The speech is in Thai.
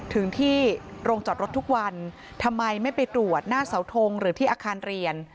ถึงที่โรงจอดรถทุกวันทำไมไม่ไปตรวจหน้าเสาทงหรือที่อาคารเรียน